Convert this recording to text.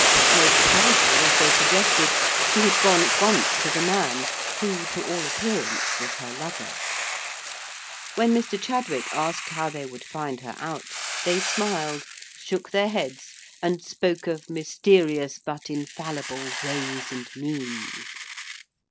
Most probably, as they suggested, she had gone at once to the man, who, to all appearance, was her lover. When Mr. Chadwick asked how they would find her out? they smiled, shook their heads, and spoke of mysterious but infallible ways and means.